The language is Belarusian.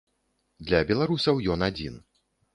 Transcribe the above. Для беларусаў ён адзін.